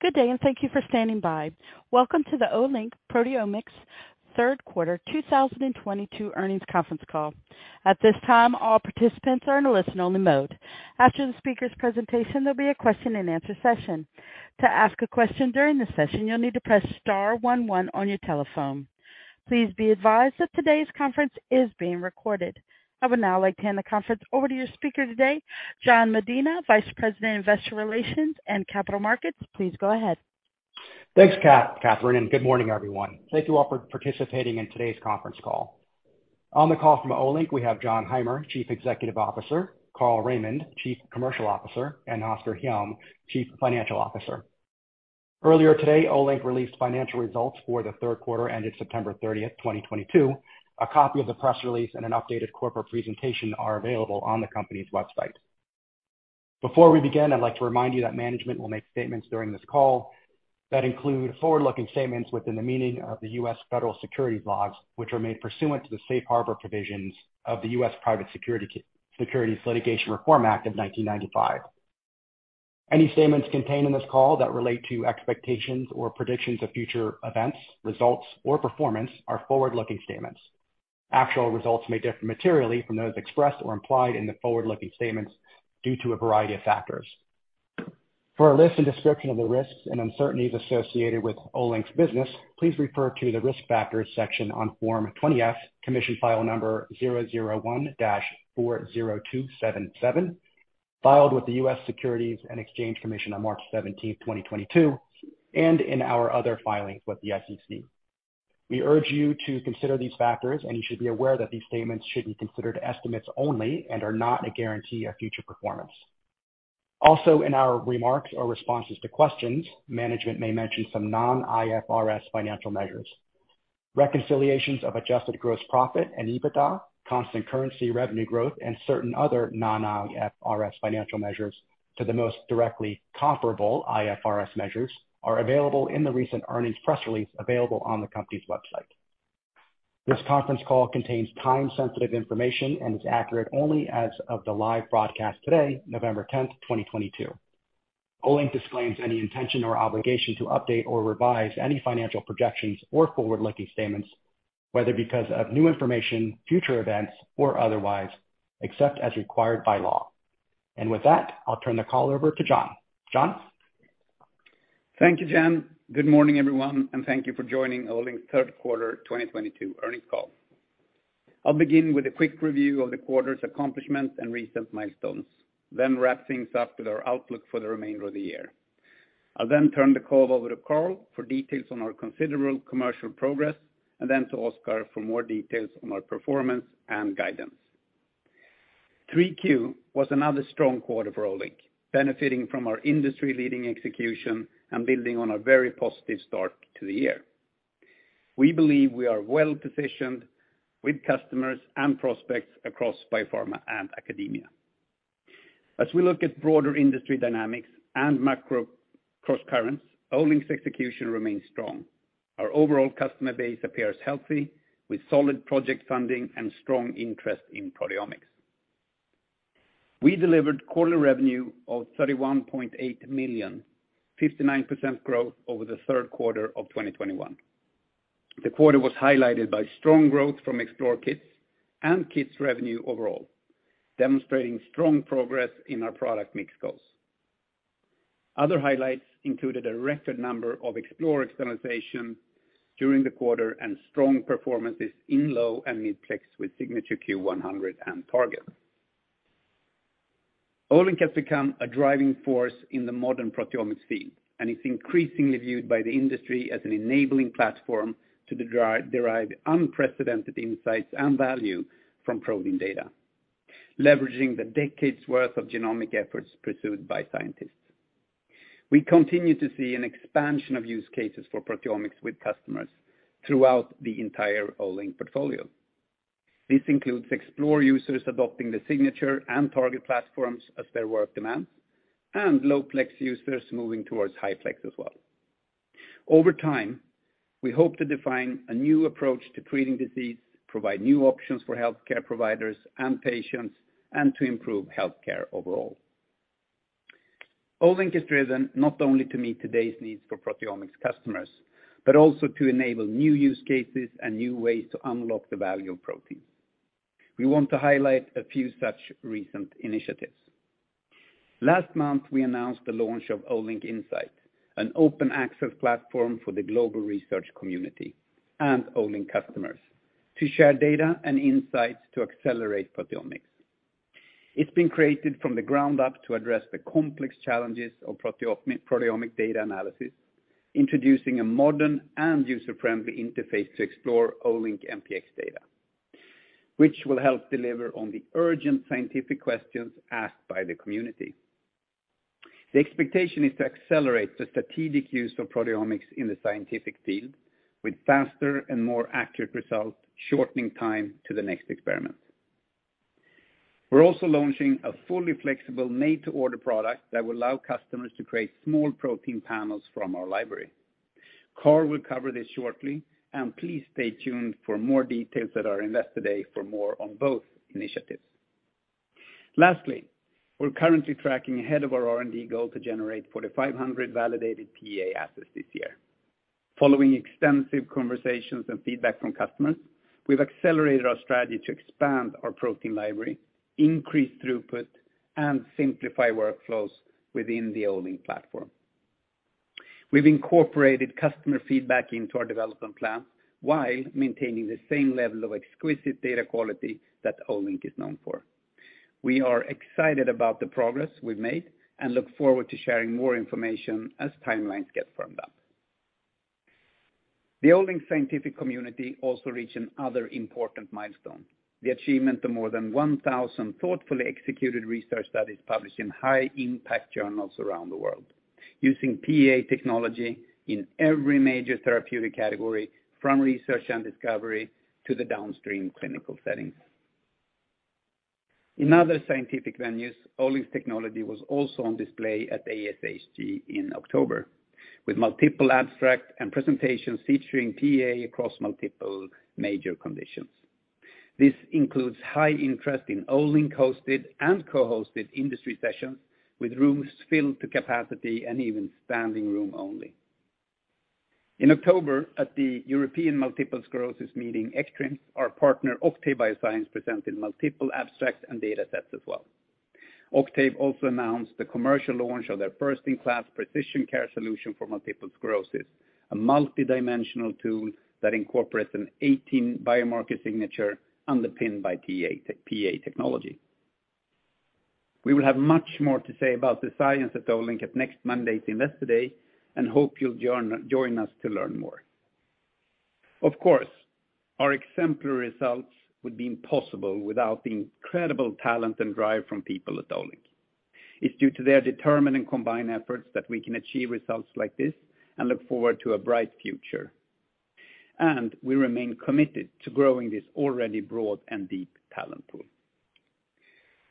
Good day, and thank you for standing by. Welcome to the Olink Proteomics third quarter 2022 earnings conference call. At this time, all participants are in a listen-only mode. After the speaker's presentation, there'll be a question-and-answer session. To ask a question during the session, you'll need to press star one one on your telephone. Please be advised that today's conference is being recorded. I would now like to hand the conference over to your speaker today, Jan Medina, Vice President, Investor Relations and Capital Markets. Please go ahead. Thanks, Catherine, and good morning, everyone. Thank you all for participating in today's conference call. On the call from Olink, we have Jon Heimer, Chief Executive Officer, Carl Raimond, Chief Commercial Officer, and Oskar Hjelm, Chief Financial Officer. Earlier today, Olink released financial results for the third quarter ended September 30th, 2022. A copy of the press release and an updated corporate presentation are available on the company's website. Before we begin, I'd like to remind you that management will make statements during this call that include forward-looking statements within the meaning of the U.S. Federal Securities Laws, which are made pursuant to the safe harbor provisions of the U.S. Private Securities Litigation Reform Act of 1995. Any statements contained in this call that relate to expectations or predictions of future events, results or performance are forward-looking statements. Actual results may differ materially from those expressed or implied in the forward-looking statements due to a variety of factors. For a list and description of the risks and uncertainties associated with Olink's business, please refer to the Risk Factors section on Form 20-F, Commission File Number 001-40277, filed with the U.S. Securities and Exchange Commission on March 17th, 2022, and in our other filings with the SEC. We urge you to consider these factors, and you should be aware that these statements should be considered estimates only and are not a guarantee of future performance. Also, in our remarks or responses to questions, management may mention some non-IFRS financial measures. Reconciliations of adjusted gross profit and EBITDA, constant currency revenue growth, and certain other non-IFRS financial measures to the most directly comparable IFRS measures are available in the recent earnings press release available on the company's website. This conference call contains time-sensitive information and is accurate only as of the live broadcast today, November 10th, 2022. Olink disclaims any intention or obligation to update or revise any financial projections or forward-looking statements, whether because of new information, future events or otherwise, except as required by law. With that, I'll turn the call over to Jon. Jon. Thank you, Jan. Good morning, everyone, and thank you for joining Olink's third quarter 2022 earnings call. I'll begin with a quick review of the quarter's accomplishments and recent milestones, then wrap things up with our outlook for the remainder of the year. I'll then turn the call over to Carl for details on our considerable commercial progress, and then to Oscar for more details on our performance and guidance. 3Q was another strong quarter for Olink, benefiting from our industry leading execution and building on a very positive start to the year. We believe we are well positioned with customers and prospects across biopharma and academia. As we look at broader industry dynamics and macro cross currents, Olink's execution remains strong. Our overall customer base appears healthy, with solid project funding and strong interest in proteomics. We delivered quarterly revenue of 31.8 million, 59% growth over the third quarter of 2021. The quarter was highlighted by strong growth from Explore Kits and kits revenue overall, demonstrating strong progress in our product mix goals. Other highlights included a record number of Explore externalization during the quarter and strong performances in low- and mid-plex with Signature Q100 and Target. Olink has become a driving force in the modern proteomics field and is increasingly viewed by the industry as an enabling platform to derive unprecedented insights and value from protein data, leveraging the decades' worth of genomic efforts pursued by scientists. We continue to see an expansion of use cases for proteomics with customers throughout the entire Olink portfolio. This includes Explore users adopting the Signature and Target platforms as their work demands, and low-plex users moving towards high-plex as well. Over time, we hope to define a new approach to treating disease, provide new options for healthcare providers and patients, and to improve healthcare overall. Olink is driven not only to meet today's needs for proteomics customers, but also to enable new use cases and new ways to unlock the value of proteins. We want to highlight a few such recent initiatives. Last month, we announced the launch of Olink Insight, an open access platform for the global research community and Olink customers to share data and insights to accelerate proteomics. It's been created from the ground up to address the complex challenges of proteomic data analysis, introducing a modern and user friendly interface to explore Olink NPX data, which will help deliver on the urgent scientific questions asked by the community. The expectation is to accelerate the strategic use of proteomics in the scientific field with faster and more accurate results, shortening time to the next experiment. We're also launching a fully flexible made to order product that will allow customers to create small protein panels from our library. Carl will cover this shortly, and please stay tuned for more details at our Investor Day for more on both initiatives. Lastly, we're currently tracking ahead of our R&D goal to generate 4,500 validated PEA assets this year. Following extensive conversations and feedback from customers, we've accelerated our strategy to expand our protein library, increase throughput, and simplify workflows within the Olink platform. We've incorporated customer feedback into our development plan while maintaining the same level of exquisite data quality that Olink is known for. We are excited about the progress we've made and look forward to sharing more information as timelines get firmed up. The Olink scientific community also reached another important milestone, the achievement of more than 1,000 thoughtfully executed research studies published in high-impact journals around the world using PEA technology in every major therapeutic category from research and discovery to the downstream clinical settings. In other scientific venues, Olink's technology was also on display at ASHG in October, with multiple abstracts and presentations featuring PEA across multiple major conditions. This includes high interest in Olink-hosted and co-hosted industry sessions, with rooms filled to capacity and even standing room only. In October, at the European Multiple Sclerosis Meeting, ECTRIMS, our partner Octave Bioscience presented multiple abstracts and data sets as well. Octave Bioscience also announced the commercial launch of their first-in-class precision care solution for multiple sclerosis, a multidimensional tool that incorporates an 18 biomarker signature underpinned by PEA technology. We will have much more to say about the science at Olink at next Monday's Investor Day, and hope you'll join us to learn more. Of course, our exemplary results would be impossible without the incredible talent and drive from people at Olink. It's due to their determined and combined efforts that we can achieve results like this and look forward to a bright future. We remain committed to growing this already broad and deep talent pool.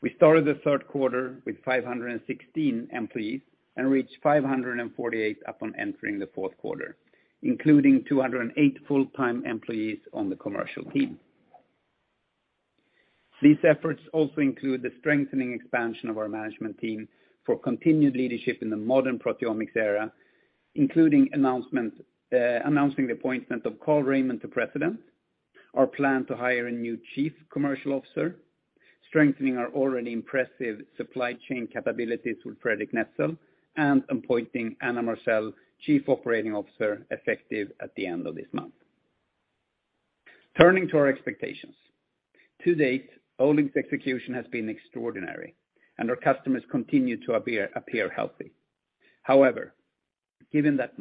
We started the third quarter with 516 employees and reached 548 upon entering the fourth quarter, including 208 full-time employees on the commercial team. These efforts also include the strengthening expansion of our management team for continued leadership in the modern proteomics era, including announcing the appointment of Carl Raimond to President, our plan to hire a new Chief Commercial Officer, strengthening our already impressive supply chain capabilities with Fredrik Netzel, and appointing Anna Marsell Chief Operating Officer, effective at the end of this month. Turning to our expectations. To date, Olink's execution has been extraordinary, and our customers continue to appear healthy. However, given that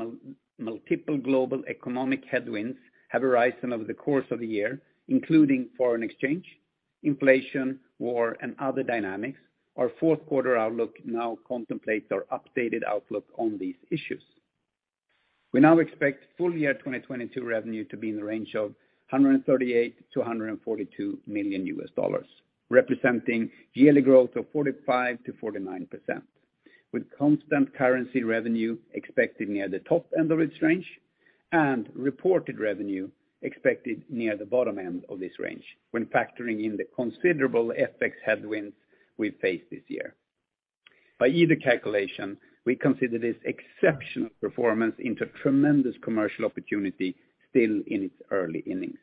multiple global economic headwinds have arisen over the course of the year, including foreign exchange, inflation, war, and other dynamics, our fourth quarter outlook now contemplates our updated outlook on these issues. We now expect full-year 2022 revenue to be in the range of $138 million-$142 million, representing yearly growth of 45%-49%, with constant currency revenue expected near the top end of its range, and reported revenue expected near the bottom end of this range when factoring in the considerable FX headwinds we've faced this year. By either calculation, we consider this exceptional performance into tremendous commercial opportunity still in its early innings.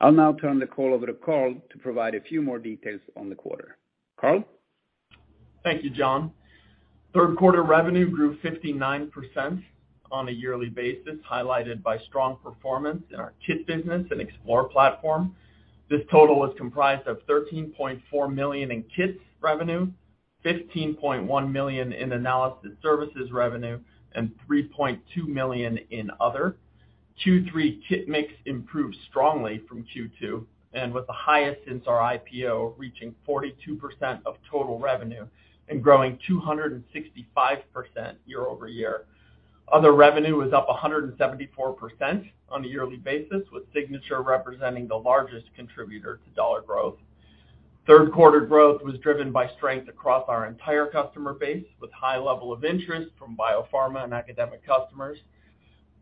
I'll now turn the call over to Carl to provide a few more details on the quarter. Carl? Thank you, Jon. Third quarter revenue grew 59% on a yearly basis, highlighted by strong performance in our Kits business and Explore platform. This total was comprised of 13.4 million in Kits revenue, 15.1 million in Analysis Services revenue, and 3.2 million in other. Q3 kit mix improved strongly from Q2 and was the highest since our IPO, reaching 42% of total revenue and growing 265% year-over-year. Other revenue was up 174% on a yearly basis, with Signature representing the largest contributor to dollar growth. Third quarter growth was driven by strength across our entire customer base, with high level of interest from biopharma and academic customers.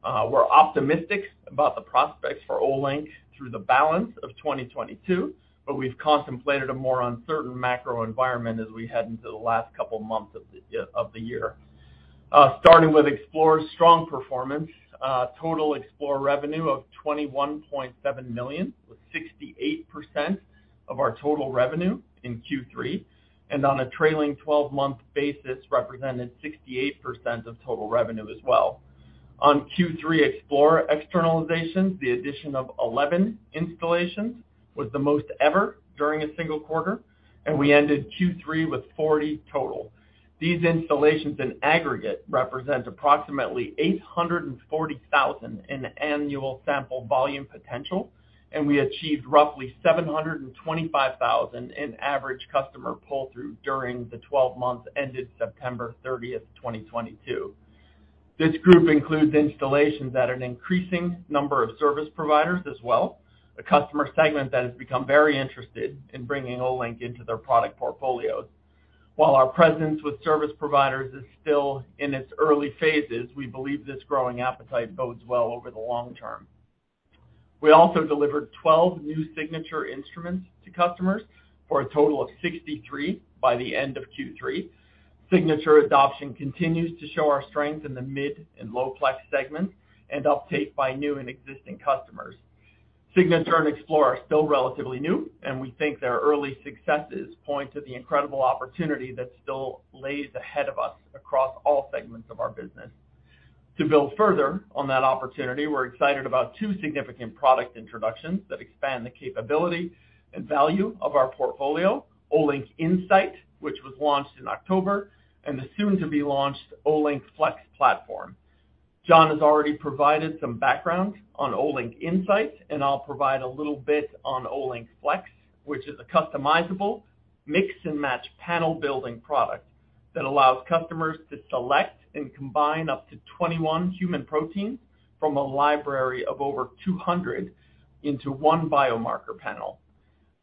We're optimistic about the prospects for Olink through the balance of 2022, but we've contemplated a more uncertain macro environment as we head into the last couple of months of the year. Starting with Explore's strong performance, total Explore revenue of $21.7 million, with 68% of our total revenue in Q3, and on a trailing 12-month basis, represented 68% of total revenue as well. On Q3 Explore externalizations, the addition of 11 installations was the most ever during a single quarter, and we ended Q3 with 40 total. These installations in aggregate represent approximately 840,000 in annual sample volume potential, and we achieved roughly 725,000 in average customer pull-through during the twelve months ended September 30th, 2022. This group includes installations at an increasing number of service providers as well, a customer segment that has become very interested in bringing Olink into their product portfolios. While our presence with service providers is still in its early phases, we believe this growing appetite bodes well over the long term. We also delivered 12 new signature instruments to customers for a total of 63 by the end of Q3. Signature adoption continues to show our strength in the mid and low plex segments and uptake by new and existing customers. Signature and Explorer are still relatively new, and we think their early successes point to the incredible opportunity that still lies ahead of us across all segments of our business. To build further on that opportunity, we're excited about two significant product introductions that expand the capability and value of our portfolio, Olink Insight, which was launched in October, and the soon to be launched Olink Flex platform. Jon has already provided some background on Olink Insight, and I'll provide a little bit on Olink Flex, which is a customizable mix-and-match panel building product that allows customers to select and combine up to 21 human proteins from a library of over 200 into one biomarker panel.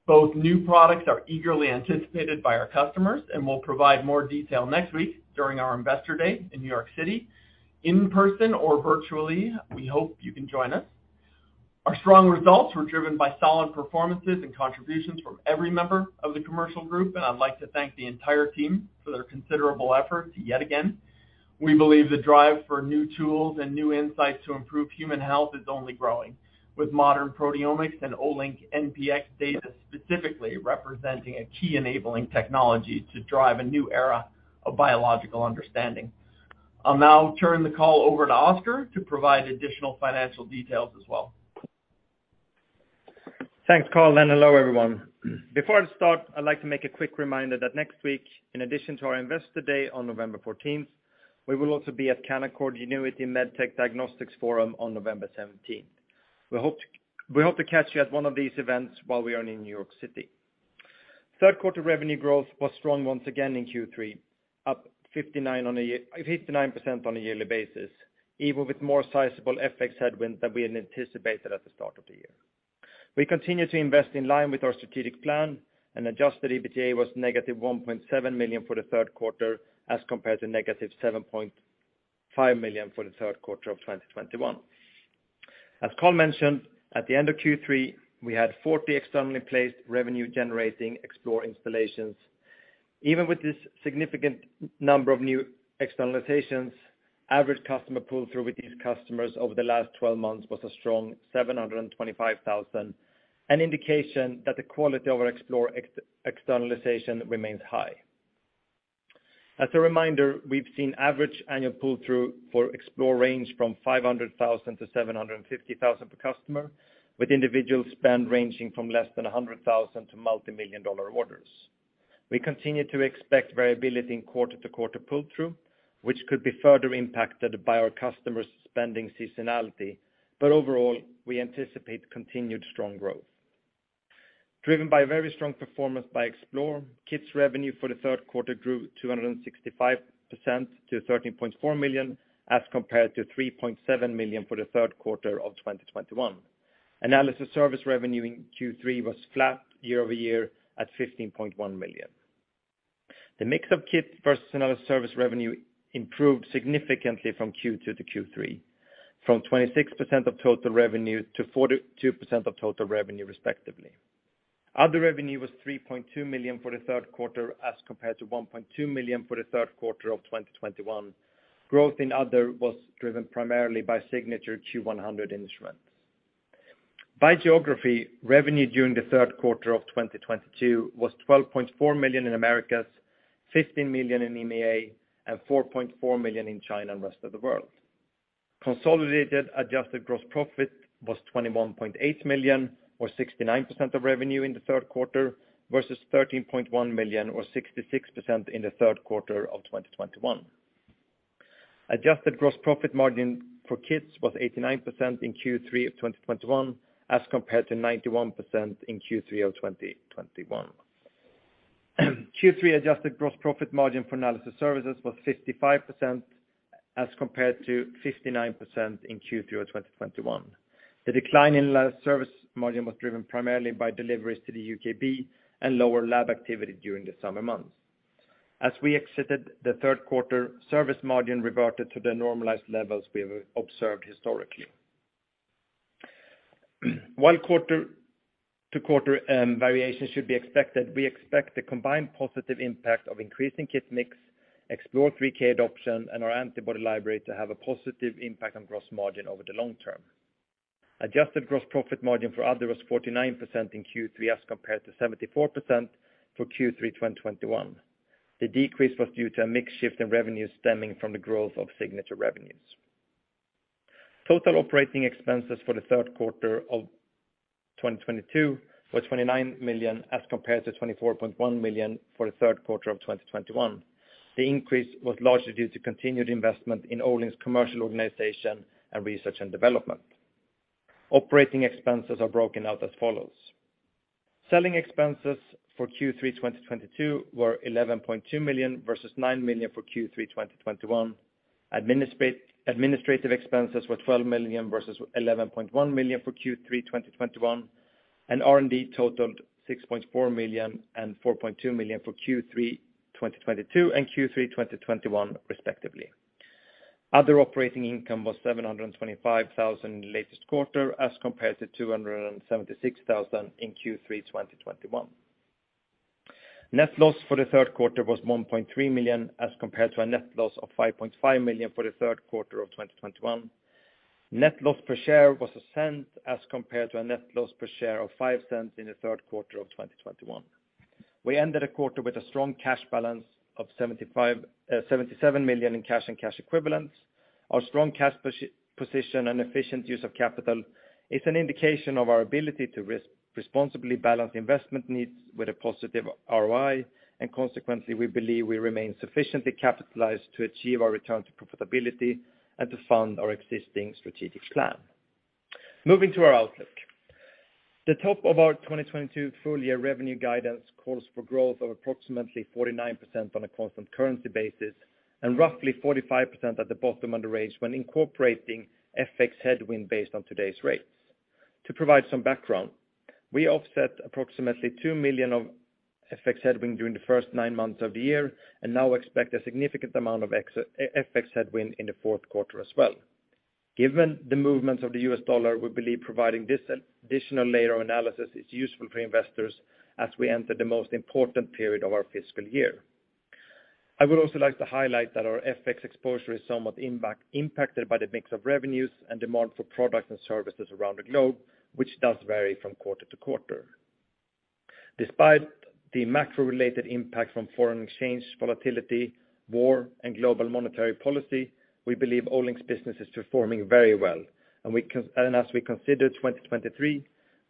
Both new products are eagerly anticipated by our customers, and we'll provide more detail next week during our Investor Day in New York City. In person or virtually, we hope you can join us. Our strong results were driven by solid performances and contributions from every member of the commercial group, and I'd like to thank the entire team for their considerable effort yet again. We believe the drive for new tools and new insights to improve human health is only growing, with modern proteomics and Olink NPX data specifically representing a key enabling technology to drive a new era of biological understanding. I'll now turn the call over to Oskar to provide additional financial details as well. Thanks, Carl, and hello, everyone. Before I start, I'd like to make a quick reminder that next week, in addition to our Investor Day on November 14th, we will also be at Canaccord Genuity MedTech Diagnostics Forum on November 17th. We hope to catch you at one of these events while we are in New York City. Third quarter revenue growth was strong once again in Q3, up 59% on a yearly basis, even with more sizable FX headwinds than we had anticipated at the start of the year. We continue to invest in line with our strategic plan, and adjusted EBITDA was -1.7 million for the third quarter, as compared to -7.5 million for the third quarter of 2021. As Carl mentioned, at the end of Q3, we had 40 externally placed revenue generating Explore installations. Even with this significant number of new externalizations, average customer pull-through with these customers over the last 12 months was a strong $725,000, an indication that the quality of our Explore externalization remains high. As a reminder, we've seen average annual pull-through for Explore range from $500,000 to $750,000 per customer, with individual spend ranging from less than $100,000 to multi-million dollar orders. We continue to expect variability in quarter-to-quarter pull-through, which could be further impacted by our customers' spending seasonality. Overall, we anticipate continued strong growth. Driven by very strong performance by Explore, kits revenue for the third quarter grew 265% to 13.4 million, as compared to 3.7 million for the third quarter of 2021. Analysis service revenue in Q3 was flat year over year at 15.1 million. The mix of kit versus analysis service revenue improved significantly from Q2 to Q3, from 26% of total revenue to 42% of total revenue, respectively. Other revenue was 3.2 million for the third quarter, as compared to 1.2 million for the third quarter of 2021. Growth in other was driven primarily by Signature Q100 instruments. By geography, revenue during the third quarter of 2022 was 12.4 million in Americas, 15 million in EMEA, and 4.4 million in China and rest of the world. Consolidated adjusted gross profit was 21.8 million, or 69% of revenue in the third quarter, versus 13.1 million, or 66% in the third quarter of 2021. Adjusted gross profit margin for Kits was 89% in Q3 of 2021, as compared to 91% in Q3 of 2021. Q3 adjusted gross profit margin for analysis services was 55%, as compared to 59% in Q3 of 2021. The decline in lab service margin was driven primarily by deliveries to the UKB and lower lab activity during the summer months. As we exited the third quarter, service margin reverted to the normalized levels we have observed historically. While quarter-to-quarter variation should be expected, we expect the combined positive impact of increasing kit mix, Explore 3K adoption, and our antibody library to have a positive impact on gross margin over the long term. Adjusted gross profit margin for Other was 49% in Q3, as compared to 74% for Q3 2021. The decrease was due to a mix shift in revenue stemming from the growth of signature revenues. Total operating expenses for the third quarter of 2022 was 29 million, as compared to 24.1 million for the third quarter of 2021. The increase was largely due to continued investment in Olink's commercial organization and research and development. Operating expenses are broken out as follows, selling expenses for Q3 2022 were 11.2 million versus 9 million for Q3 2021. Administrative expenses were 12 million versus 11.1 million for Q3 2021. R&D totaled 6.4 million and 4.2 million for Q3 2022 and Q3 2021, respectively. Other operating income was 725,000 in the latest quarter as compared to 276,000 in Q3 2021. Net loss for the third quarter was 1.3 million, as compared to a net loss of 5.5 million for the third quarter of 2021. Net loss per share was SEK 0.01, as compared to a net loss per share of 0.05 in the third quarter of 2021. We ended the quarter with a strong cash balance of 77 million in cash and cash equivalents. Our strong cash position and efficient use of capital is an indication of our ability to responsibly balance investment needs with a positive ROI. Consequently, we believe we remain sufficiently capitalized to achieve our return to profitability and to fund our existing strategic plan. Moving to our outlook. The top of our 2022 full-year revenue guidance calls for growth of approximately 49% on a constant currency basis, and roughly 45% at the bottom of the range when incorporating FX headwind based on today's rates. To provide some background, we offset approximately 2 million of FX headwind during the first nine months of the year, and now expect a significant amount of FX headwind in the fourth quarter as well. Given the movements of the U.S. dollar, we believe providing this additional layer of analysis is useful for investors as we enter the most important period of our fiscal year. I would also like to highlight that our FX exposure is somewhat impacted by the mix of revenues and demand for products and services around the globe, which does vary from quarter to quarter. Despite the macro-related impact from foreign exchange volatility, war, and global monetary policy, we believe Olink's business is performing very well, and as we consider 2023,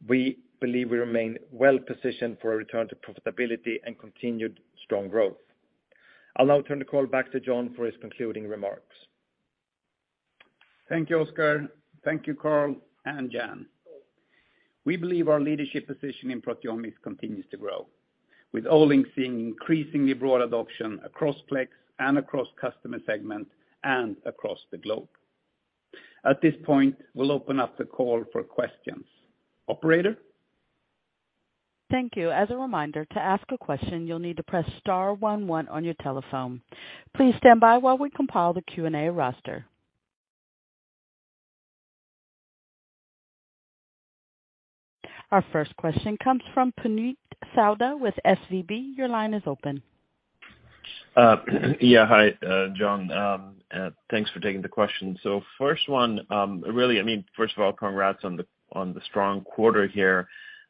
we believe we remain well positioned for a return to profitability and continued strong growth. I'll now turn the call back to Jon for his concluding remarks. Thank you, Oskar. Thank you, Carl and Jan. We believe our leadership position in proteomics continues to grow, with Olink seeing increasingly broad adoption across plex and across customer segments and across the globe. At this point, we'll open up the call for questions. Operator? Thank you. As a reminder, to ask a question, you'll need to press star one one on your telephone. Please stand by while we compile the Q&A roster. Our first question comes from Puneet Souda with SVB. Your line is open. Yeah, hi, Jon. Thanks for taking the question. First one, really, I mean, first of all, congrats on the strong quarter here.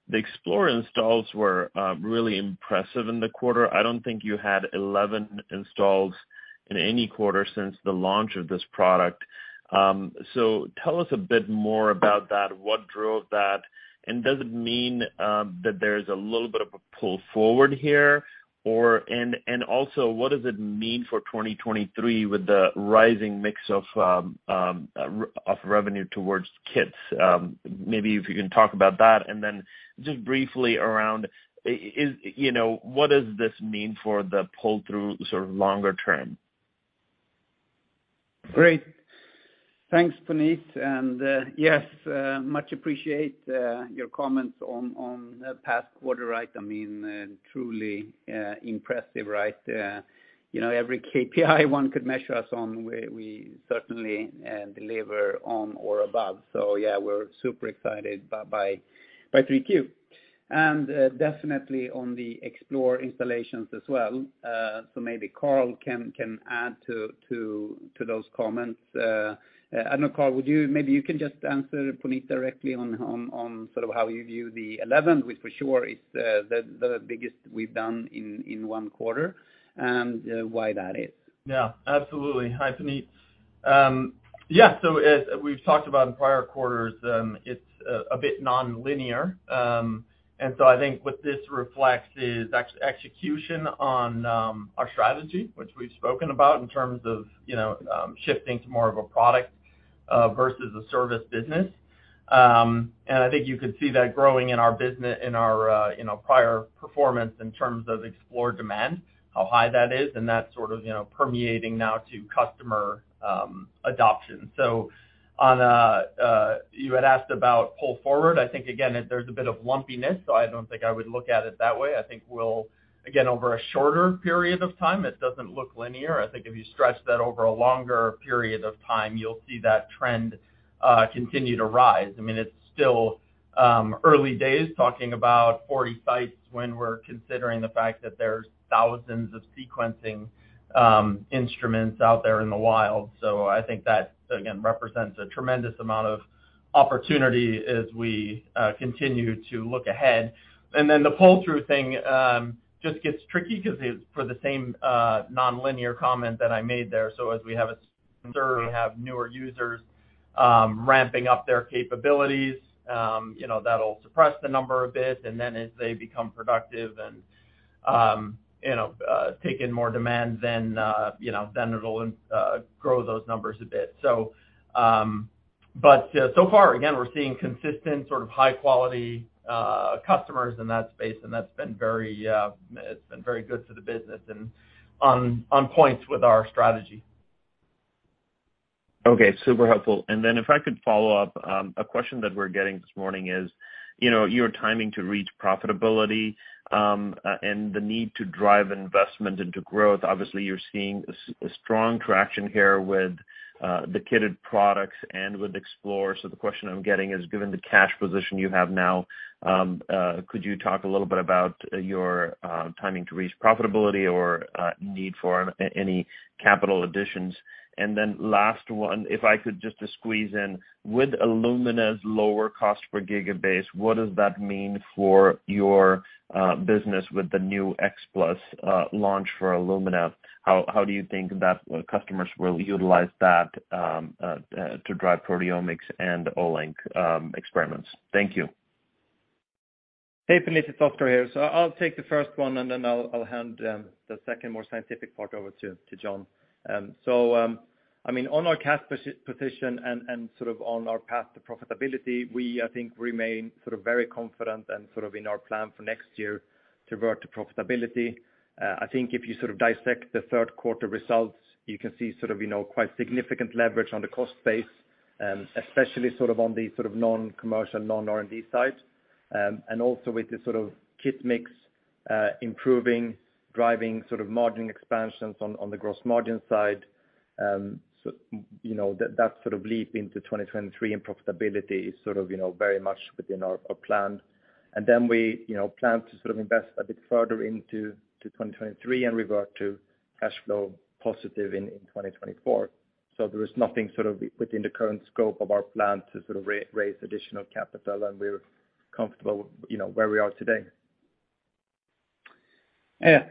The Explore installs were really impressive in the quarter. I don't think you had 11 installs in any quarter since the launch of this product. Tell us a bit more about that. What drove that? And does it mean that there's a little bit of a pull forward here? Or and also, what does it mean for 2023 with the rising mix of revenue towards kits? Maybe if you can talk about that, and then just briefly around, you know, what does this mean for the pull-through sort of longer term? Great. Thanks, Puneet. Yes, much appreciate your comments on the past quarter, right? I mean, truly impressive, right? You know, every KPI one could measure us on, we certainly deliver on or above. Yeah, we're super excited by 3Q. Definitely on the Explore installations as well. Maybe Carl can add to those comments. I don't know, Carl, would you maybe you can just answer Puneet directly on sort of how you view the 11, which for sure is the biggest we've done in one quarter, and why that is. Yeah, absolutely. Hi, Puneet. Yeah, so as we've talked about in prior quarters, it's a bit nonlinear. I think what this reflects is execution on our strategy, which we've spoken about in terms of, you know, shifting to more of a product versus a service business. I think you could see that growing in our prior performance in terms of Explore demand, how high that is, and that sort of, you know, permeating now to customer adoption. You had asked about pull forward. I think, again, there's a bit of lumpiness, so I don't think I would look at it that way. I think we'll, again, over a shorter period of time, it doesn't look linear. I think if you stretch that over a longer period of time, you'll see that trend continue to rise. I mean, it's still early days talking about 40 sites when we're considering the fact that there's thousands of sequencing instruments out there in the wild. I think that, again, represents a tremendous amount of opportunity as we continue to look ahead. The pull-through thing just gets tricky because it's for the same nonlinear comment that I made there. As we have newer users ramping up their capabilities, you know, that'll suppress the number a bit. As they become productive and you know take in more demand, then you know it'll grow those numbers a bit. So far, again, we're seeing consistent sort of high quality customers in that space, and that's been very, it's been very good to the business and on points with our strategy. Okay, super helpful. If I could follow up, a question that we're getting this morning is, you know, your timing to reach profitability, and the need to drive investment into growth, obviously you're seeing a strong traction here with the kitted products and with Explore. The question I'm getting is, given the cash position you have now, could you talk a little bit about your timing to reach profitability or need for any capital additions? Last one, if I could just squeeze in, with Illumina's lower cost per gigabase, what does that mean for your business with the new X Plus launch for Illumina? How do you think that customers will utilize that to drive proteomics and Olink experiments? Thank you. Hey, Puneet, it's Oskar here. I'll take the first one, and then I'll hand the second, more scientific part over to Jon. I mean, on our cash position and sort of on our path to profitability, we, I think, remain sort of very confident and sort of in our plan for next year to revert to profitability. I think if you sort of dissect the third quarter results, you can see sort of, you know, quite significant leverage on the cost base, especially sort of on the sort of non-commercial, non-R&D side. Also with the sort of kit mix improving, driving sort of margin expansions on the gross margin side. You know, that sort of leap into 2023 in profitability is sort of, you know, very much within our plan. We, you know, plan to sort of invest a bit further into 2023 and revert to cash flow positive in 2024. There is nothing sort of within the current scope of our plan to sort of raise additional capital, and we're comfortable, you know, where we are today. Yeah,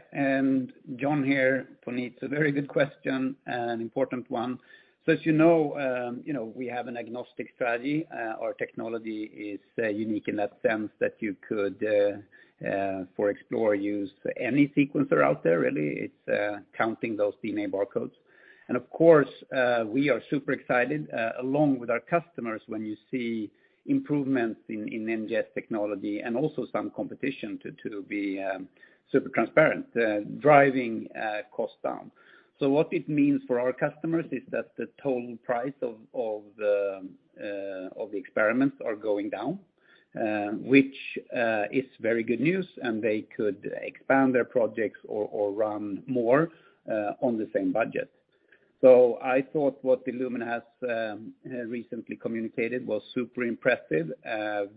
Jon here, Puneet. A very good question, an important one. As you know, you know, we have an agnostic strategy. Our technology is unique in that sense that you could for Explore use any sequencer out there, really. It's counting those DNA barcodes. Of course, we are super excited along with our customers when you see improvements in NGS technology and also some competition to be super transparent driving costs down. What it means for our customers is that the total price of the experiments are going down which is very good news, and they could expand their projects or run more on the same budget. I thought what Illumina has recently communicated was super impressive,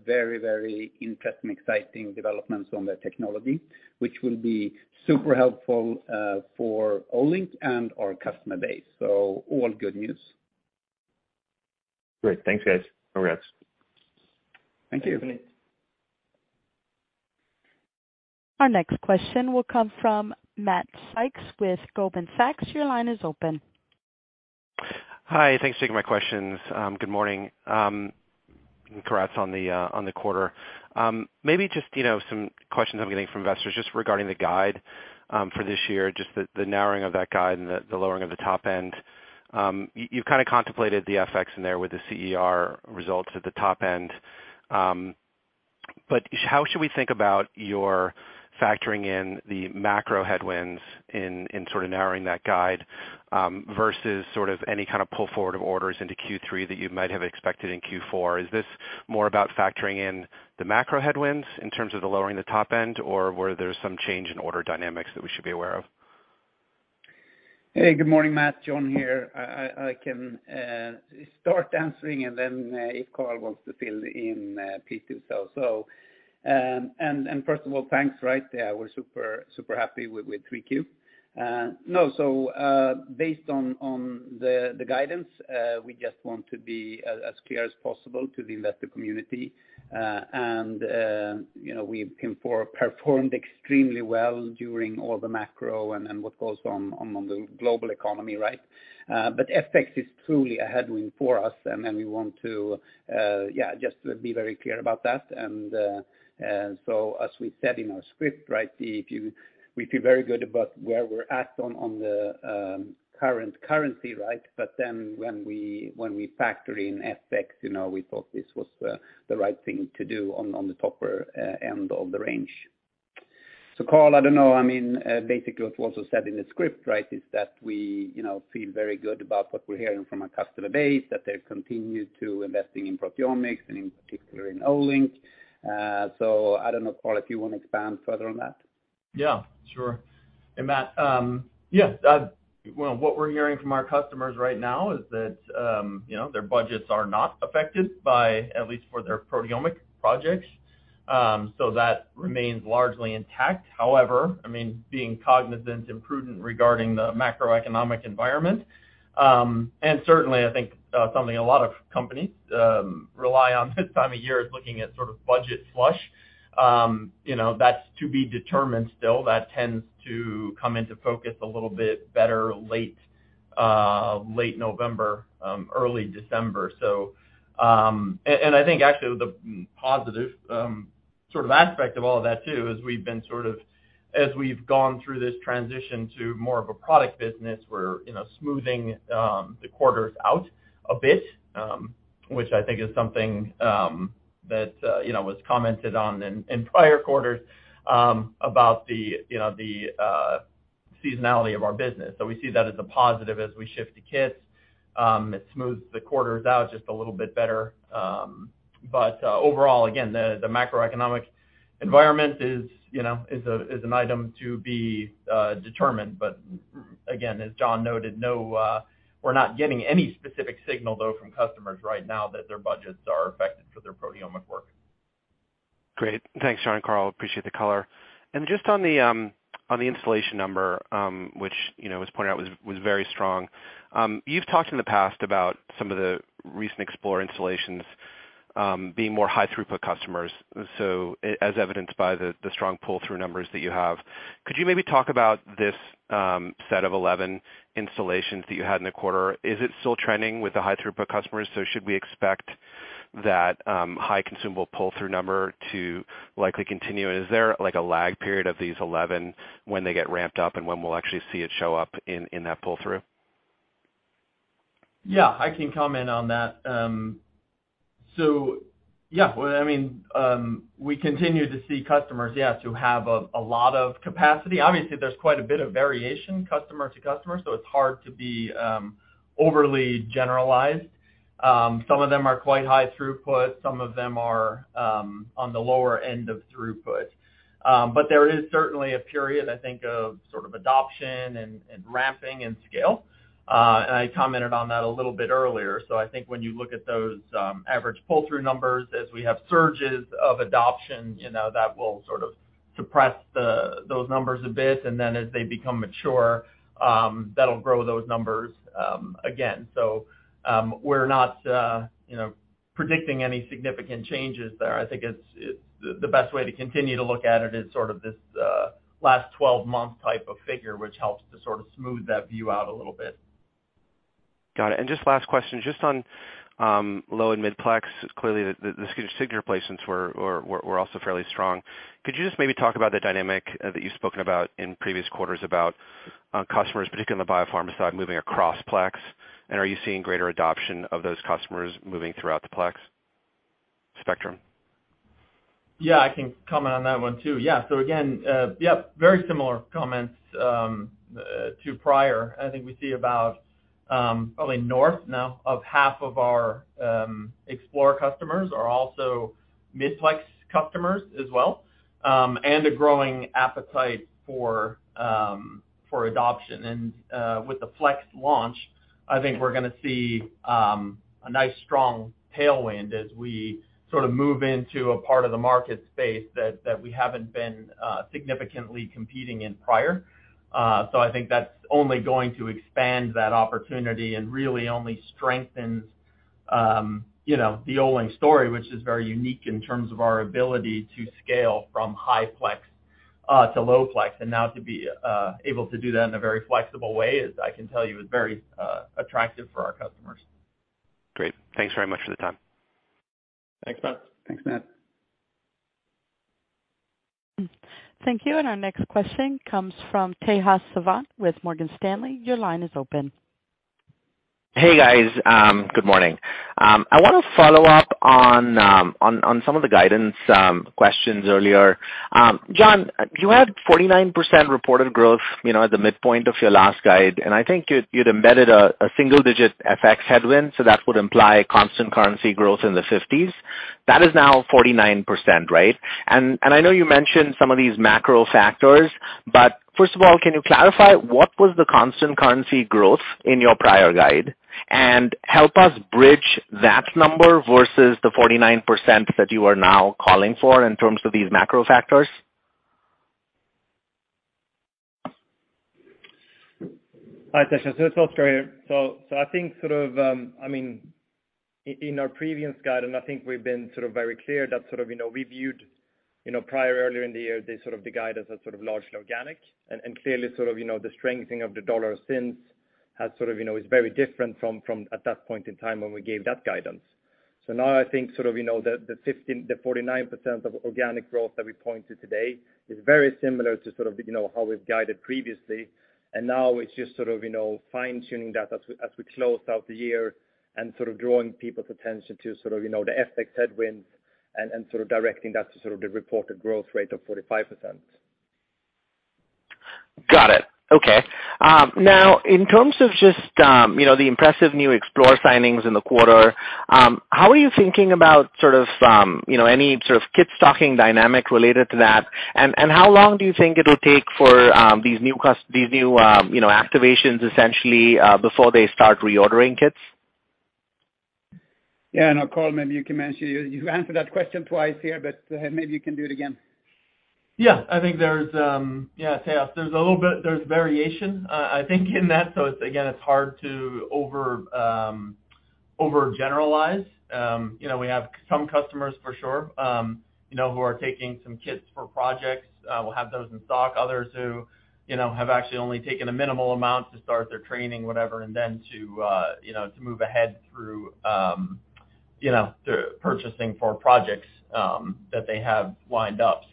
very interesting, exciting developments on their technology, which will be super helpful for Olink and our customer base. All good news. Great. Thanks, guys. Congrats. Thank you. Thanks, Puneet. Our next question will come from Matt Sykes with Goldman Sachs. Your line is open. Hi. Thanks for taking my questions. Good morning. Congrats on the quarter. Maybe just, you know, some questions I'm getting from investors just regarding the guide for this year, just the narrowing of that guide and the lowering of the top end. You've kind of contemplated the FX in there with the CER results at the top end. How should we think about your factoring in the macro headwinds in sort of narrowing that guide versus sort of any kind of pull forward of orders into Q3 that you might have expected in Q4? Is this more about factoring in the macro headwinds in terms of the lowering the top end, or were there some change in order dynamics that we should be aware of? Hey, good morning, Matt. Jon here. I can start answering, and then if Carl wants to fill in, please do so. First of all, thanks, right. Yeah, we're super happy with 3Q. Based on the guidance, we just want to be as clear as possible to the investor community. You know, we've performed extremely well during all the macro and what goes on in the global economy, right? But FX is truly a headwind for us. We want to just be very clear about that. As we said in our script, right, we feel very good about where we're at on the current currency, right? When we factor in FX, you know, we thought this was the right thing to do on the upper end of the range. Carl, I don't know. I mean, basically what's also said in the script, right, is that we, you know, feel very good about what we're hearing from our customer base, that they've continued to investing in proteomics and in particular in Olink. I don't know, Carl, if you want to expand further on that. Yeah, sure. Matt, yeah, well, what we're hearing from our customers right now is that, you know, their budgets are not affected by at least for their proteomic projects, so that remains largely intact. However, I mean, being cognizant and prudent regarding the macroeconomic environment, and certainly I think, something a lot of companies rely on this time of year is looking at sort of budget flush. You know, that's to be determined still. That tends to come into focus a little bit better late November, early December. I think actually the positive sort of aspect of all that too is we've been sort of, as we've gone through this transition to more of a product business, we're, you know, smoothing the quarters out a bit, which I think is something that you know was commented on in prior quarters about the you know the seasonality of our business. We see that as a positive as we shift to kits. It smooths the quarters out just a little bit better. Overall, again, the macroeconomic environment is, you know, an item to be determined. Again, as Jon noted, no, we're not getting any specific signal though from customers right now that their budgets are affected for their proteomic work. Great. Thanks, Jon and Carl, appreciate the color. Just on the installation number, which you know was pointed out was very strong. You've talked in the past about some of the recent Explore installations being more high throughput customers, so as evidenced by the strong pull-through numbers that you have. Could you maybe talk about this set of 11 installations that you had in the quarter? Is it still trending with the high throughput customers? Should we expect that high consumable pull-through number to likely continue? Is there like a lag period of these 11 when they get ramped up and when we'll actually see it show up in that pull-through? Yeah, I can comment on that. Yeah, well, I mean, we continue to see customers, yes, who have a lot of capacity. Obviously, there's quite a bit of variation customer-to-customer, so it's hard to be overly generalized. Some of them are quite high throughput. Some of them are on the lower end of throughput. There is certainly a period, I think, of sort of adoption and ramping and scale. I commented on that a little bit earlier. I think when you look at those average pull-through numbers, as we have surges of adoption, you know, that will sort of suppress those numbers a bit. Then as they become mature, that'll grow those numbers again. We're not, you know, predicting any significant changes there. I think it's the best way to continue to look at it is sort of this 12-month type of figure, which helps to sort of smooth that view out a little bit. Got it. Just last question, just on low and mid-plex, clearly the signature placements were also fairly strong. Could you just maybe talk about the dynamic that you've spoken about in previous quarters about customers, particularly on the biopharma side, moving across plex? And are you seeing greater adoption of those customers moving throughout the plex spectrum? Yeah, I can comment on that one too. Yeah. Again, yep, very similar comments to prior. I think we see about, probably north now of half of our Explore customers are also mid-plex customers as well, and a growing appetite for adoption. With the Flex launch, I think we're gonna see a nice, strong tailwind as we sort of move into a part of the market space that we haven't been significantly competing in prior. I think that's only going to expand that opportunity and really only strengthens you know, the Olink story, which is very unique in terms of our ability to scale from high-plex to low-plex. Now to be able to do that in a very flexible way is, I can tell you, very attractive for our customers. Great. Thanks very much for the time. Thanks, Matt. Thanks, Matt. Thank you. Our next question comes from Tejas Savant with Morgan Stanley. Your line is open. Hey, guys. Good morning. I want to follow up on some of the guidance questions earlier. Jon, you had 49% reported growth, you know, at the midpoint of your last guide, and I think you'd embedded a single-digit FX headwind, so that would imply constant currency growth in the fifties. That is now 49%, right? And I know you mentioned some of these macro factors. First of all, can you clarify what was the constant currency growth in your prior guide? And help us bridge that number versus the 49% that you are now calling for in terms of these macro factors. Hi, Tejas. It's Oskar here. I think sort of, I mean, in our previous guidance, I think we've been sort of very clear that sort of, you know, we viewed, you know, prior earlier in the year, the sort of the guide as a sort of largely organic and clearly sort of, you know, the strengthening of the dollar since has sort of, you know, is very different from at that point in time when we gave that guidance. Now I think sort of, you know, the 15, the 49% organic growth that we point to today is very similar to sort of, you know, how we've guided previously. Now it's just sort of, you know, fine-tuning that as we close out the year and sort of drawing people's attention to sort of, you know, the FX headwinds and sort of directing that to sort of the reported growth rate of 45%. Got it. Okay. Now in terms of just, you know, the impressive new Explore signings in the quarter, how are you thinking about sort of, you know, any sort of kit stocking dynamic related to that? How long do you think it'll take for these new, you know, activations essentially, before they start reordering kits? Yeah. Carl, maybe you can answer. You answered that question twice here, but maybe you can do it again. I think there's a little bit of variation, Tejas. I think in that, so it's again hard to overgeneralize. You know, we have some customers for sure, you know, who are taking some kits for projects, will have those in stock, others who, you know, have actually only taken a minimal amount to start their training, whatever, and then to, you know, to move ahead through, you know, the purchasing for projects that they have lined up.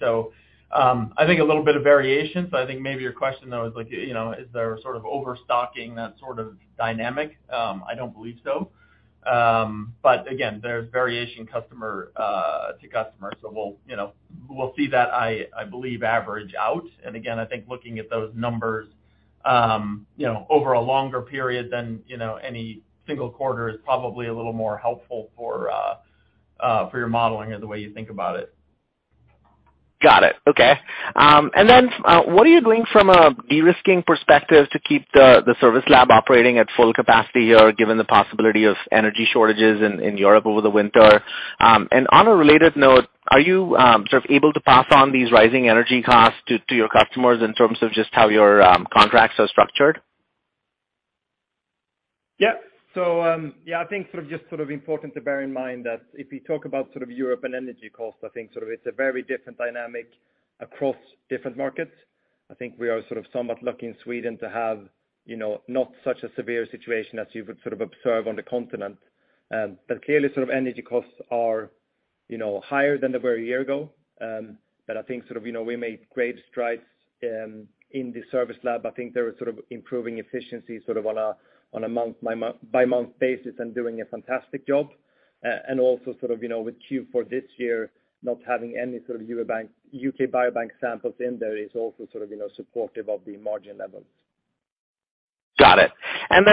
I think a little bit of variation, so I think maybe your question though is like, you know, is there a sort of overstocking that sort of dynamic? I don't believe so. Again, there's variation, customer to customer. We'll, you know, see that I believe average out. Again, I think looking at those numbers, you know, over a longer period than, you know, any single quarter is probably a little more helpful for your modeling or the way you think about it. Got it. Okay. What are you doing from a de-risking perspective to keep the service lab operating at full capacity or given the possibility of energy shortages in Europe over the winter? On a related note, are you sort of able to pass on these rising energy costs to your customers in terms of just how your contracts are structured? Yeah. yeah, I think sort of, just sort of important to bear in mind that if you talk about sort of Europe and energy costs, I think sort of it's a very different dynamic across different markets. I think we are sort of somewhat lucky in Sweden to have, you know, not such a severe situation as you would sort of observe on the continent. Clearly sort of energy costs are, you know, higher than they were a year ago. I think sort of, you know, we made great strides in the service lab. I think they were sort of improving efficiency sort of on a month by month basis and doing a fantastic job. Sort of, you know, with Q4 this year, not having any sort of UK Biobank samples in there is also sort of, you know, supportive of the margin levels. Got it.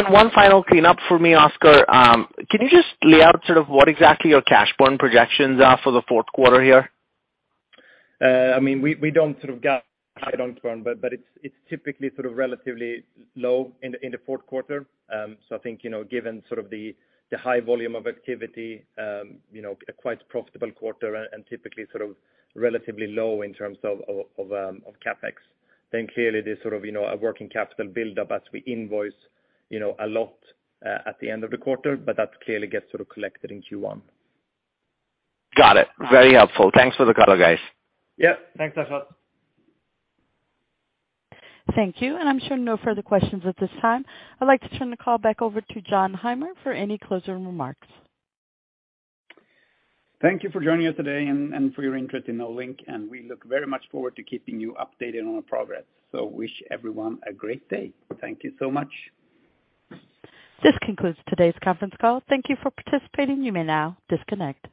One final cleanup for me, Oskar. Can you just lay out sort of what exactly your cash burn projections are for the fourth quarter here? I mean, we don't sort of guide on burn, but it's typically sort of relatively low in the fourth quarter. I think, you know, given sort of the high volume of activity, you know, a quite profitable quarter and typically sort of relatively low in terms of CapEx. Clearly there's sort of, you know, a working capital build up as we invoice, you know, a lot at the end of the quarter, but that clearly gets sort of collected in Q1. Got it. Very helpful. Thanks for the color, guys. Yeah. Thanks, Tejas. Thank you. I'm showing no further questions at this time. I'd like to turn the call back over to Jon Heimer for any closing remarks. Thank you for joining us today and for your interest in Olink, and we look very much forward to keeping you updated on our progress. Wish everyone a great day. Thank you so much. This concludes today's conference call. Thank you for participating. You may now disconnect.